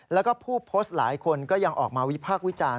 แล้วก็ผู้โพสต์หลายคนก็ยังออกมาวิพากษ์วิจารณ์